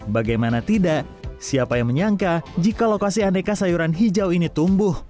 bagaimana tidak siapa yang menyangka jika lokasi aneka sayuran hijau ini tumbuh